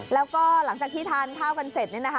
แล้วก็หลังจากที่ทานเท้ากันเสร็จละนะคะ